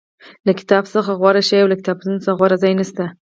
له کتاب څخه غوره شی او له کتابتون څخه غوره ځای نشته.